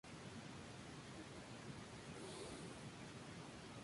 Lóbulos redondeados y cortos.